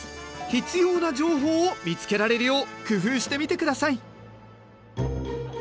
必要な情報を見つけられるよう工夫してみてください。